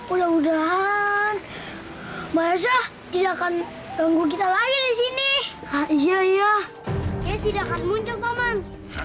udah udahan mazah tidak akan mengganggu kita lagi di sini iya iya tidak akan muncul paman